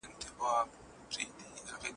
زه د خپلي ذمې وفا کوم.